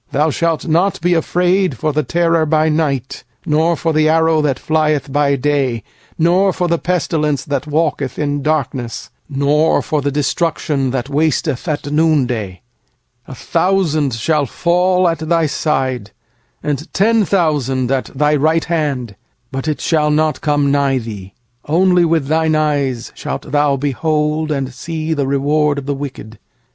shalt not be afraid of the terror by night, Nor of the arrow that flieth by day; 60f the pestilence that walketh in darkness, Nor of the destruction that wasteth at noonday. 7A thousand may fall at thy side, And ten thousand at thy right hand; It shall not come nigh thee. 80nly with thine eyes shalt thou behold, And see the recompense of the wicked.